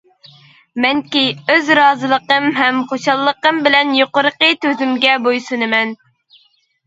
مەنكى ئۆز رازىلىقىم ھەم خۇشاللىقىم بىلەن يۇقىرىقى تۈزۈمگە بويسۇنىمەن.